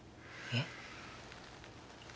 えっ？